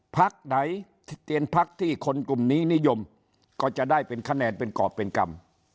พักไหนที่เตียนพักที่คนกลุ่มนี้นิยมก็จะได้เป็นคะแนนเป็นกรอบเป็นกรรม